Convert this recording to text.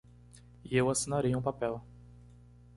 E eu assinarei um papel.